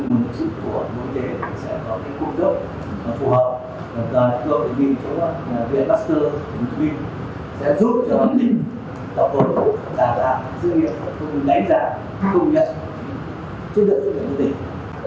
và làm sự nghiệp của công nghệ đánh giá công nhận chức năng sức tích của tỉnh